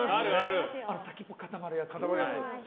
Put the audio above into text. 先っぽ、固まるやつ。